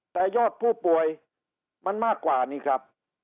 แต่ยอดผู้ป่วยมันมากกว่านี่ครับ